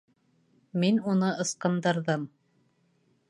Мин уны ысҡындырҙым.